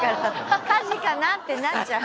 火事かな？ってなっちゃう。